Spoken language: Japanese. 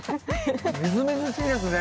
みずみずしいですね